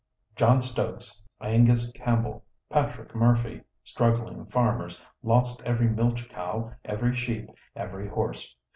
John Stokes, Angus Campbell, Patrick Murphy, struggling farmers, lost every milch cow, every sheep, every horse.